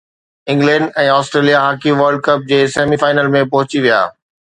England ۽ Australia hockey world cup جي semi final ۾ پهچي ويا